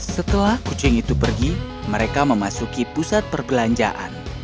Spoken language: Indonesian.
setelah kucing itu pergi mereka memasuki pusat perbelanjaan